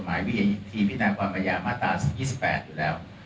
หรือการไปฟ้องเองเป็นสิทธิ์ของผู้ต้องหาตามประมวลกฎหมายวิทยาศิษฐีพินาความระยะม๒๘อยู่แล้ว